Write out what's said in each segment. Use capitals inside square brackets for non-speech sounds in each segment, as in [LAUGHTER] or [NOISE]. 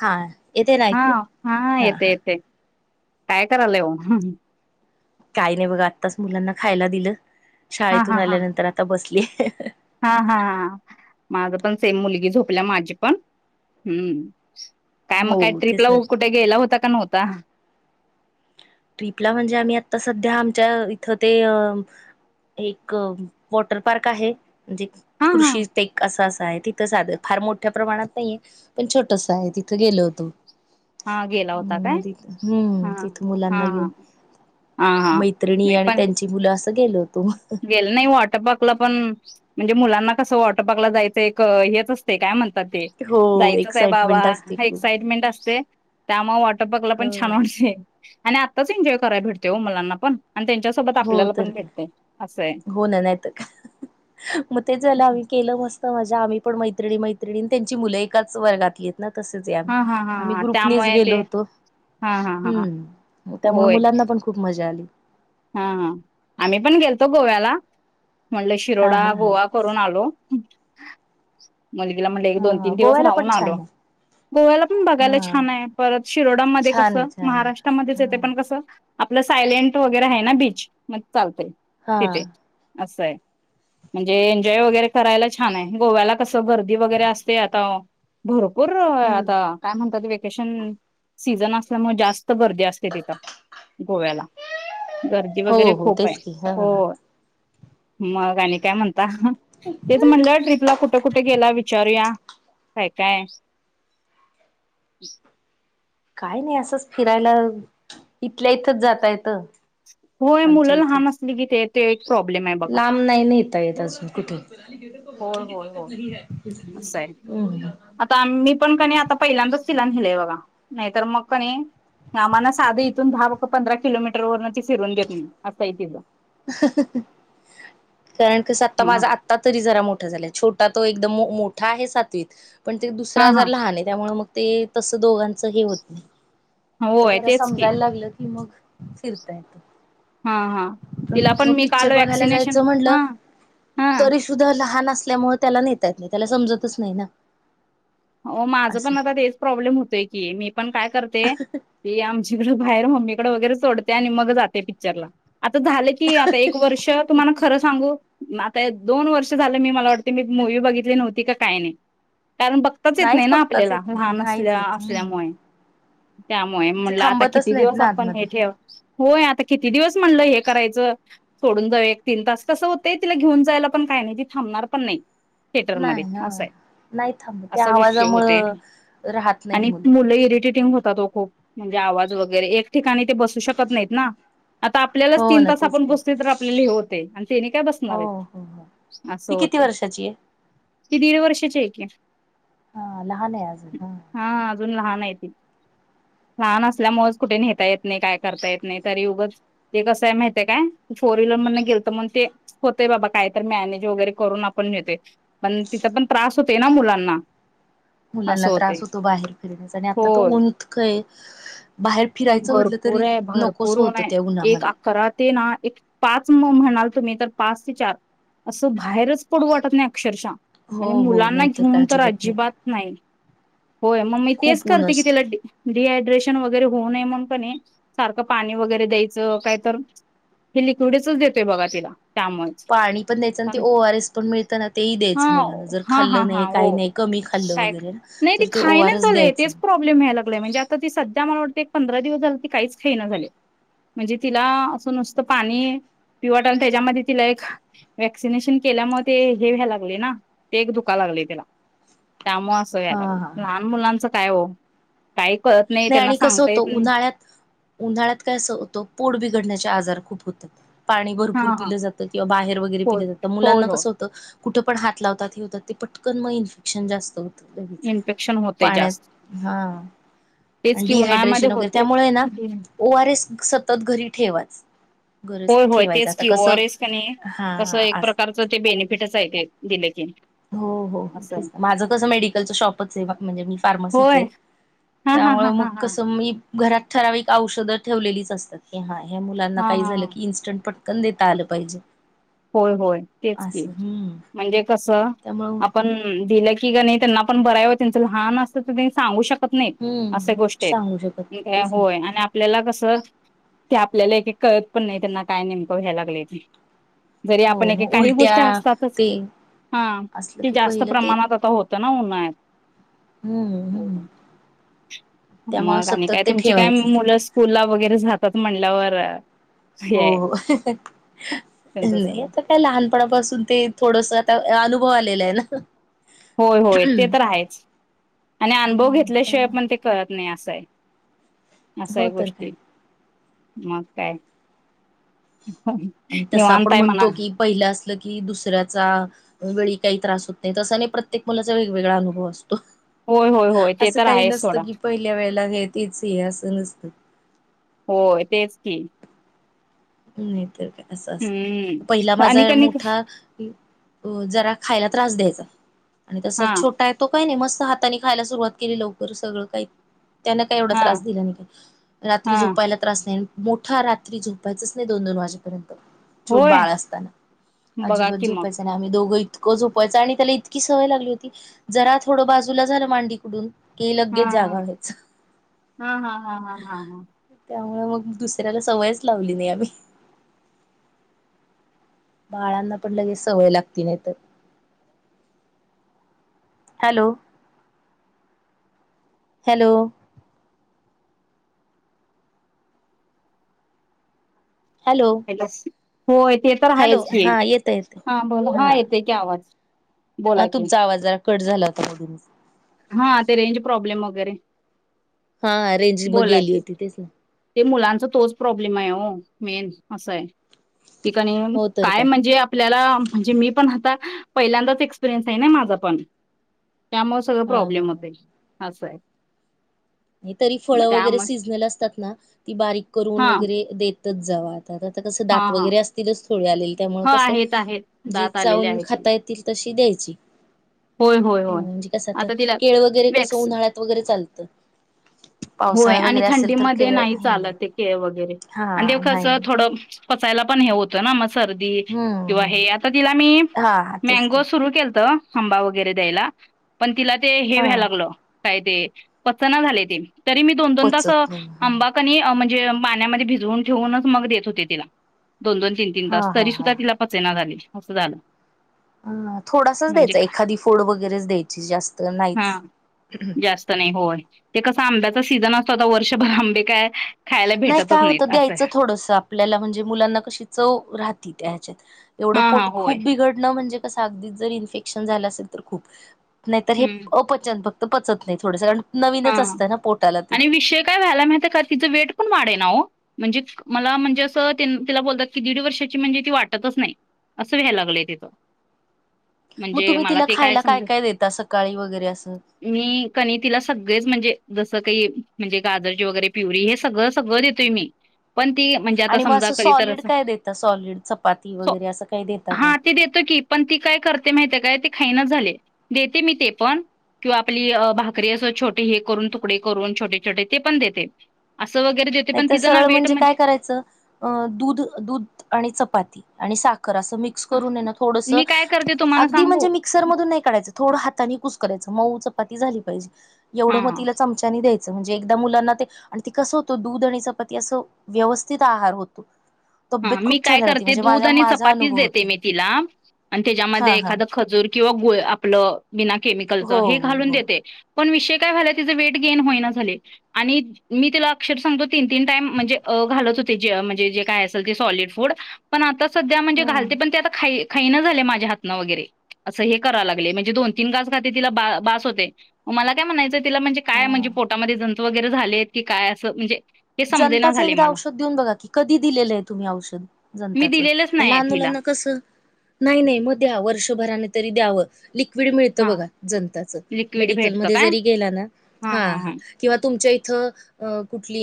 हा येते ना हा ऐकू हा येते येते. काय करालाय वो काही नाही बघा आत्ताच मुलांना खायला दिलं हा शाळेतून हा आल्यानंतर आता बसले. हा हा हा माझ पण सेम मुलगी झोपलीया माझी पण हम्म. काय मग काय हो तेच ट्रिपला ना कुठे गेला होता का नव्हता? ट्रिपला म्हणजे आम्ही आता सध्या आमच्या इथं ते अ एक वॉटर पार्क आहे म्हणजे हा हा कृषी टेक असा अस आहे तिथं साध फार मोठ्या प्रमाणात नाहीये पण छोटस आहे तिथं गेलो होतो. हा गेला होता म काय तीथ हा हम्म तिथं हा मुलांना घेऊन हा हा हा मैत्रिणी मी आणि पण त्यांची मुलं अस गेलं नाही वॉटरपार्क ला पण म्हणजे मुलांना कसं वॉटरपार्क ला जायचं एक हेच असतय काय म्हण ते हो जायचंच आहे बाबा एक्साइटमेंट असते हा खूप एक्साइटमेंट असते. त्यामुळे वॉटरपार्कला पण हो छान वाटतय आणि आत्ताच एन्जॉय करायला भेटतय हो मुलांना पण आणि त्यांच्यासोबत हो आपल्याला पण तर भेट हो ना नाहीत काय मग ते झालं आम्ही केलं म स्त मजा आम्ही पण मैत्रणी मैत्रिणी त्यांची मुलं एकाच वर्गातलीयेत. तसेचे आम्ही हा हा हा आम्ही हा ग्रुपनेच त्यामुळे गेलो ते होतो. हा हा हा हम्म त्यामुळे होय मुलांना पण खूप मजा आली. हा हा आम्ही पण गेलतो गोव्याला. म्हणलं हा हा शिरोडा, हा गोवा करून आलो. मुलगीला म्हटलं एक दोन तीन हा दिवस गोव्याला पण राहून आलो. छान आहे गोव्याला पण हा बघायला छान आहे परत शिरोडामध्ये छान आहे कसं छान आहे महाराष्ट्रामध्येच येतय हा पण कसं आपलं सायलेंट वगैरे आहे ना बीच मग चालतय हा तिथे असं आहे. म्हणजे एन्जॉय वगैरे करायला छान आहे गोव्याला कसं गर्दी वगैरे असते आता भर पूर हम्म आता काय म्हणतात ते केशन सीझन असल्यामुळे जास्त गर्दी असते तिथं गोव्याला. गर्दी हो वगैरे हो खूप आहे तेच की हा होय. मग आणि काय म्हणता तेच म्हणलं ट्रीपला कुठे कुठे गेला विचारूया? काय काय काय नाही असंच फिरायला इथल्या इथच जाता येत. होय मुलं लहान असली कि ते प्रॉब्लेम आहे बघा लांब नाही नेता येत अजून कुठे होय होय होय [UNINTELLIGIBLE] असं आहे हम्म. आता मी पण कनी आता पहिल्यांदाच तीला न्हेलय बघा नाहीतर मग कणी आम्हाना साधं इथून दहा फ पंधरा किलोमीटर वरन फिरवून देत नाही असं तिज कारण कस आता मग माझा आता तरी जरा मो ठं झालाय छोटा तो एकदम मोठा आहे सातवीत पण ते हा दुसरा हा जरा लहान आहे त्यामुळे मग ते तसं दोघांच हे होत नाही आता होय जरा तेच की समजायला लागलं की मग फिरता येत. हा हा. पण तिला कुठ मी काल पिक्चर बघायला वॅक्सिनेशन जायचं म्हणलं हा हा तरी सुद्धा लहान अस ल्यामुळे त्याला नेता येत नाही त्याला समजतच नाही ना हो माझं असं पण आता तेच प्रॉब्लेम होतोय की मी पण काय करते आमच्याकडे बाहेर मम्मीकडे वगैरे सोडते आणि मग जाते पिक्चरला झालं की आता एक वर्ष तुम्हाला खरं सांगू आता दोन वर्ष झालं मी मला वाटते मी मूवी बघितली नव्हती का काय नाही कारण बघ ताच येत नाहीच नाही ना बघताच आपल्याला येत नाही लहान नाहीच असल्या येत हम्म. असल्यामुळे. त्यामुळे ते म्हणलं आता थांबतच किती नाहीत दिवस ना आपण आतमध्ये हे ठेव होय आता किती दिवस म्हणलं हे करायचं सोडून जाऊ एक तीन तास कसं होतय तिला घेऊन जायला पण काय नाही ती थांबणार पण नाही ठेटर मध्ये नाही ह अस आहे. नाही थांब त्या असा विषय होत आवाजामुळं राहत नाहीत आणि मुलं ई रिटिंग होत तो खूप म्हणजे आवाज वगैरे एक ठिकाणी ते बसू शकत नाहीत ना. आता आपल्यालाच हो तीन ना तास तेच आपण की बसत तर आपल्याले हे होते आणि तेने काय बसणार हो आहेत. हो हो ती किती वर्षाची आहे? त दीड वर्षाची आहे कि. हा लहान आहे अजून हा. अजून लहान आहे ती. लहान असल्यामुळेच कुठे नेता येत नाही काय करता येत नाही तरी उगच ते कसं आहे माहित काय. फोर व्हीलर गेल तर ते होतय बाबा काय तर मॅनेज वगैरे करून आपण न्हेतोय पण तिथं पण त्रास होते ना मुलां मुलांना त्रास होतो बाहेर फिरण्याचा आणि आता तो होय. ऊन इतकं बाहेर फिरायचं म्हटलं भरपूर तरी आहे नकोस भरपूर होन होतं आहे त्या एक उन्हामध्ये अकरा ते ना एक पाच म म्हणाल तुम्ही तर पाच ते चार असं बाहेरच पडू वाटत नाही अक्षरशः. हो आणि हो मुलांना नाहीतर काय घेऊन तर नाही अजिबात नाही. होय मग मी तेच खूप ऊन करते कि असतं तिला डिहायड्रेशन वगैरे होऊ ने म्हण पाणी सारखं पाणी वगैरे द्यायचं, कायत ही लिक्विडच देतोय बघा तिला. त्यामुळेच पाणी पण द्यायचं आणि ते ओरएस पण मिळतं ना ते द्यायचं मुलाना जर खाल्लं नाही काही नाही. कमी खाल्लं य वगैरे ना नाही ती तर ते ओ खाय आर नाही एस झालय द्यायचं तेच प्रॉब्लेम या्यायला लागलाय म्हणजे आता ती सध्या मला वाट एक पंधरा दिवस झालं त काहीच खाही ना झाले म्हणजे तिला असं नुसतं पाणी पिवटलं त्याच्यामध्ये तिला एक वॅक्सिनेशन केल्यामुळे ते हे व्यायला लागले ना ते एक दुका लागले त्याला त्यामुळे असं हा या्यायला लागलं हा हा लहान मुलांचं काय हो काही कळत नाही त्यांना सांग तो उन्हाळ्यात उन्हाळ्यात काय असं होतं पोड बिघडण्याचे आजार खूप होतात पाणी हा भरपूर हा पिलं जातं किंवा बाहेर वगैरे होय पिलं जातं होय मुलांना हो कसं होतं कुठं पण हात लावतात हे होतात ते पटकन मग इन्फेक्शन जास्त होत लच इन्फेक्शन होते जास्त पाण्यात हा तेच आणि की उन्हाळ्यामध्ये डिहायड्रेशन वगैरे होतेच त्यामुळे ना ओआरएस सतत घरी ठेवाच हो गरज होय ठेवायच तेच आता की ओ कसं आर एस क हा कसं एक आज प्रकारचं ते बेनिफिटच आहे ते दिले की हो हो हो ते असं माझं कसं मेडिकलचा शॉपच आहे म्हणजे मी फार्मसीच होय आहे हा हा त्यामुळ हा हा मग हा कसं घरात ठराविक औषध ठेवलेलीच असतात क हा मुलांना हा काही हा हा झालं की इन्स्टंट क देता आलं पाहिजे होय होय तेच की असं हम्म म्हणजे कस त्यामुळं आपण दिलं की ग नाही त्यांना पण बरायव त्यांचं लहान असतं तर ते सांगू शकत हम्म गो सांगू शकत नाही तेच ना आपल्या क ते आपल्याला एक कळत पण नाही त्यांना काय नेमकं व्यायला लागलं जरी आपण हो एके मग काही उलट्या गोष्टी असतातच ते हा असलं ते की जास्त पहिलं ते प्रमाणात आता होतं ना म हम्म हम्म त्यामुळे मग आणि सतत काय ते तुमची काय ठेवायचंच मुलं स्कूलला वगैरे जातात म्हणल्यावर आहे हो त्यांचं नाही सगळं आता काय लहान तेंव्हा पासून ते थोडस आता अनुभव आलेला आहे ना. होय होय ते तर आहेच. आणि अनुभव हम्म, घेतल्याशिवाय त्यामुळं. पण ते कळत नाही अस हाय. अस हाय हो तर काय गोष्टी. मग काय आणि तसं निवांत आपण आहे म्हणा? म्हणतो की पहिलं असलं की दुसऱ्याचा वेळी काही त्रास होत नाही तस नाही प्रत्येक मुलाचा वेगवेगळा अनुभव असतो. होय होय होय ते असं तर काही आहेच सोडा नसतं की पहिल्या वेळेला हे तेच हे असं नसतं. हो तेच की. नाही तर काय असं असत. पहिला हम्म आणि माझा कणी मोठा अ जरा खायला त्रास द्यायचा. आणि तसा हा छोटा आहे तो काही नाही मस्त हाताने खायला सुरुवात केली लवकर सगळं काही त्यांन काही एवढा हा त्रास दिला नाही काही. रात्री हा झोपायला त्रास नाही. मोठा रात्री झो पायचाच नाही दोन दोन वाजेपर्यंत छोप होय बाळ असताना. बघा अजिबात कि मग झोपायचं नाही आम्ही दोघ ही इतकं झोपायचं आणि त्याला इतकी सवय लागली होती जरा थोडं बाजूला झालं मांडीकडून की लगेच जागा हम् व्हायचं हा हा हा हा हा हा. त्यामुळे मग दुसऱ्याला सवयच लावली नाही आम्ही. बाळांना पण लगेच सवय लागती नाही तर. हॅलो, हॅलो, हॅलो होय ते तर हॅलो हायच की. हा येत येत हां बोला हा येतोय की आवाज. अ बोला की तुमचा आवाज जरा कट झाला होता मधूनच. हा ते रेंज प्रॉब्लेम वगैरे हा रेंज मग बोला गेली की होती तेच ना. ते मुलांचा तोच प्रॉब्लेम आहे हो मेन असं आहे. ती कणी हो तर काय म्हणजे आपल्याला म्हणजे मी पण आता पहिल्यांदाच एक्सपिरियन्स आहे नाही माझा पण. त्यामुळे सगळं हा हा प्रॉब्लेम हा होतय असं हाय. तरी फळ वगैरे त्यामुळे सीजनल असतात ना ती बारीक करून हा वगैरे देतच जावा. त्यात आता कस हा दात हा वगैरे असतीलच थोडे आलेली त्यामुळे ह कसं आहेत आहेत जी दात आलेले चावून आहेत तिला खाता येतील तशी ती द्यायची. होय होय हम होय म्हणजे कस आता केळ वगैरे कसं वॅक्स उन्हाळ्यात वगैरे चालतं. [INAUDIBLE] होय पावसाळा आणि वगैरे असेल तर थंडीमध्ये केळ नाही हे चालत ते केळ वगैरे. आणि ते हा नाही कसं थोडं पचायला पण हे होत ना म सर्दी हम्म किंवा हे हम्म आता तिला मी मी हा तेच की मॅंगो सुर केलत आंबा वगैरे द्यायला पण तिला ते हे हा व्हायला लागलं काय ते पचना झाले ते तरी मी दोन दोन तास पचत नाही हा आंबा कणी ते पाण्यामध्ये भिजून ठेवूनच मग देत होते तिला. दोन- दोन तीन- तीन हा तास हा तरी हा सुद्धा तिला पचेना झालेय, असं झालं. अ थोडासाच म्हणजे द्यायचा का एखादी फोड वगैरेच द्यायची, जास्त हा नाहीच. जास्त नाही होय ते कसं आंब्याचा सीझन असतो आता वर्षभर आंबे काय खायला नाही भेटतच काय नाहीत होतं असं द्यायचं आहे. थोडस आपल्याला म्हणजे मुलांना कशी चव राहती त्या ह्याच्यात. एवढं हा हा पोट होय खूप बिघडणं म्हणजे कसं अगदीच जर इन्फेक्शन झालं असेल तर खूप नाही तर हे हम्म अपचन फक्त पचत नाही थोडंसं कारण नवीनच हा. असतं ना पोटाला ते. आणि विषय काय व्हायला माहिती काय तिचं वेट पण वाढेना वो. म्हणजे मला म्हणजे असं तिला बोलतात की दीड वर्षाची म्हणजे ती वाटतच नाही. असं व्हायला लागलंय तिचं. मग म्हणजे तुम्ही मला तिला ते काय खायला समज देता सकाळी वगैरे असं? मी कणी तिला सगळेच म्हणजे जस काही म्हणजे गाजरची वगैरे प्युरी हे सगळं सगळं देतोय मी पण ती म्हणजे आता आणि मग समजा असं कधी तर सॉलिड अस काय देता सॉलिड चपाती सो वगैरे असं काही देता का? हा ती देतो पण ती काय करते माहिती काय खाईनाच झालेय, देते मी ते पण किंवा आपली भाकरी अस. छोटे हे करून तुकडे करून छोटे छोटे ते पण देते अस. नाहीतर सरळ म्हणजे काय करायचं अ दूध दूध आणि चपाती आणि साख र असं मिक्स करून ना थोडस मी काय करते तुम्हाला अगदी सांगू म्हणजे मिक्सर मधून नाही काढायचं. थोडं हातानी कुस करायचं मऊ चपाती झाली पाहिजे एवढं हा मग हा तिला चमच्यानी द्यायच. म्हणजे एक मुलांना ते ते कस होत दूध आणि चपाती असं व्यवस्थित आहार होतो. हा तब्येत मी खूप काय छान राहते करते म्हणजे दूध माझ्या आणि माझा चपातीच अनुभव देते होता मी तिला आणि हा त्याच्यामध्ये हा एखाद खजूर किंवा गुळ आपलं बिना केमिकलच हो हे हो घालून हो देते. पण विषय काय झाला तिचे वेट गेन होई ना झाले आणि मी तिला अक्षर सांगतो तीन तीन टाईम म्हणजे घालत होते जे म्हणजे जे काय अस. सॉलड फूड पण आता सध्या म्हणजे हम्म घालते पण ते आता खा खाईन झाले माझ्या हातनं वगैरे अस हे कराव लागले म्हणजे दोन तीन गास खाते तिला बास होते मला काय म्हणायचं. तीला म्हणजे काय म्हणजे हा पोटामध्ये जंत वगैरे झाले आहेत की काय असं म्हणजे हे समजेना जनताच झाले एकदा मला औषध देऊन बघा की कधी दिलेले आहेत. तुम्ही औषध मी जनताच दिलेलंच पण नाही आहे लहान तिला मुलांना कसं. नाही नाही मग द्या वर्षभराने तरी द्यावं ल स्पीड मिळते हा बघा जंताचं लिक्विड मेडिकल भेटतं मध्ये काय जरी गेला ना हा हा किंवा तुमच्या इथं. कुठली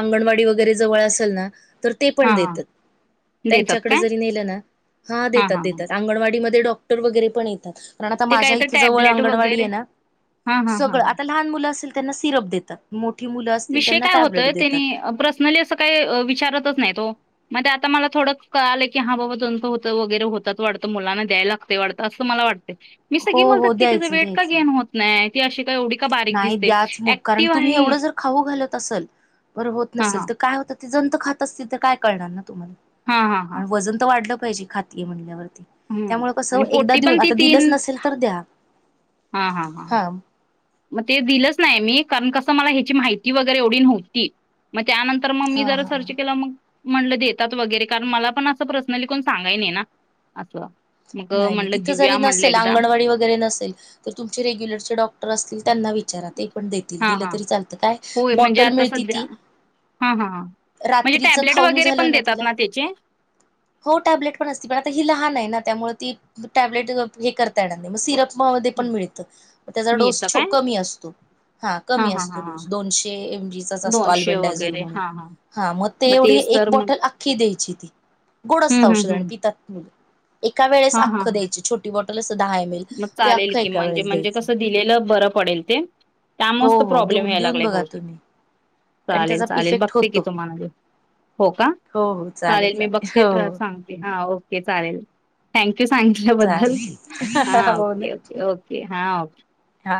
अंगणवाडी वगरे जवळ असेल ना. तर ते हा पण हा देतात देतात त्यांच्याकडे काय जरी नेलं ना हा देतात देतात अंगणवाडीमध्ये ते डॉक्टर वगैरे पण येतात. कारण आता ते काय माझ्या तर इथं जवळ टॅबलेट अंगणवाडी वगैरे आहे ना हा हा हा सगळं हा आता लहान मुलं असेल. त्यांना सिरप देतात मोठी मुलं अस त्यांना टॅबलेट देतात. आणि पर्सनली असं काही विचारतच नाही तो. मग आता मला थोडं कळालं की हा बाबा जंत होतं वगैरे होतच वाटतं मुलांना द्याय लागतं वातं असं मला वाटतं. मी सगळी हो, म्हणतात हो. की तिचा द्यायचं, वेट काय द्यायचं. गेन होत नाही ती अशी काय एवढी का बारीक नाही दिसते द्याच मगं कारण ऍक्टिव्ह तुम्ही आहे एवढं जर खा खावू घालत अस होत न हा हा तर काय होत जंत खात असतील तर काय हा हा हा कळणार वजन तर वाढलं पाहिजे खाती म्हणल्यावर हम्म त्यामुळे कसं आणि एकदा पोटी पण देऊन ती आता दिलंच तीन नसेल तर द्या हा हा हा. मगं ते दिलंच नाही मी कारण कस मला ह्याची माहिती वगैरे एवढी नव्हती त्यानंतर मगं मी हा जरा हा सर्च केलं मगं म्हणलं देतात वगैरे कारण मला पण असं पर्सनली कोण सांगाय नाही ना असं मग नाही नाही म्हणलं तिथं जरी दिव्या म्हणलं नसेल एकदा अंगणवाडी वगैरे नसेल तर तुमचे रेग्युलर डॉ टर अस त्यांना विचारा ते पण दे हा दिलं हा तरी चालतं काय होय म्हणजे बॉटल आता मिळती सध्या ती हा हा हा म्हणजे रात्रीचं टॅब्लेट खाऊन वगैरे झालं पण ना देतात तिला त्याचे हो टॅबलेट पण अस पण आ ही लहान आहे ना त्यामुळे ती टॅबलेट हे करता येणार नाही सिरप हं. पण मिळत त्याचा डोस मिळतं काय? कमी असतो हा कमी हा हा असतो हा दोनशे य दोनशे अल्बंदाजोन वगैरे म्हणून हा हा मगं ते मग एवढी तेच तर एक मग बॉटल अखी द्यायची ती गोड असत हम्म औषध हम्म आणि हम्म पितात मुलं एका वेळेस अख्ख देयाची छोटी बॉटल असतं दहा एम एल मगं ते चालेल अख्खं की एका म्हणजे वेळेस म्हणजे द्यायचं कसं दिलेलं बरं पडेल ते हो त्यामुळेस्त हो प्रॉब्लेम देऊन यायला देऊन लागला बघा हो तुम्ही कारण चालेल त्याचा चालेल इफेक्ट बघते की होतो तुम्हाला हो का हो हो चालेल मी बघते हो हो सांगते हा ओके चालेल थँक्यू सांगितल्याबद्दल हा चालेल हो ओके नक्की ओके ओके हा ओके हा.